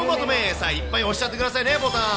さあ、いっぱい押しちゃってくださいね、ボタン。